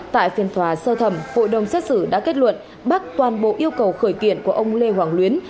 tại phiên thòa sơ thẩm bộ đồng xét xử đã kết luận bác toàn bộ yêu cầu khởi kiện của ông lê hoàng luyến